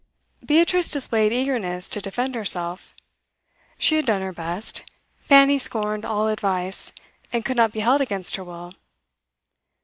Beatrice displayed eagerness to defend herself. She had done her best; Fanny scorned all advice, and could not be held against her will.